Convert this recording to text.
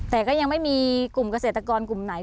แต่ก็ยังไม่มีกลุ่มเกษตรกรกลุ่มไหน